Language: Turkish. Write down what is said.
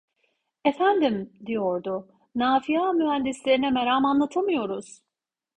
Efendim! diyordu, "Nafıa mühendislerine meram anlatamıyoruz…"